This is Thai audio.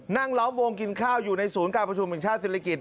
ล้อมวงกินข้าวอยู่ในศูนย์การประชุมแห่งชาติศิริกิจ